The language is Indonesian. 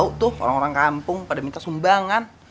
oh tuh orang orang kampung pada minta sumbangan